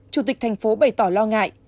chủ tịch thành phố bày tỏ lo ngại